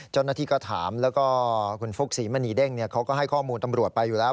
เจ้าหน้าที่ก็ถามแล้วก็คุณฟุ๊กศรีมณีเด้งเขาก็ให้ข้อมูลตำรวจไปอยู่แล้ว